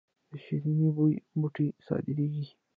د شیرین بویې بوټی صادریږي